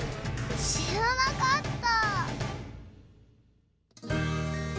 しらなかった！